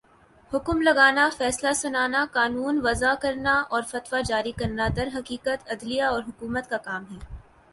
حکم لگانا، فیصلہ سنانا، قانون وضع کرنا اورفتویٰ جاری کرنا درحقیقت، عدلیہ اور حکومت کا کام ہے